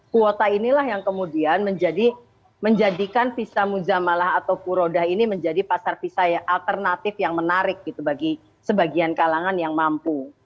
kuota inilah yang kemudian menjadikan visa muzamalah atau purodah ini menjadi pasar visa ya alternatif yang menarik gitu bagi sebagian kalangan yang mampu